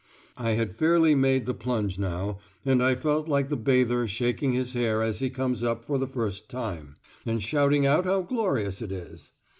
I had fairly made the plunge now, and I felt like the bather shaking his hair as he comes up for the first time, and shouting out how glorious it is.